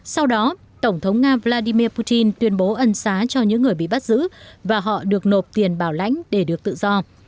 sau đó tổng thống nga vladimir putin tuyên bố ân xá cho những người bị bắt giữ và họ được nộp tiền bảo lãnh để được tự do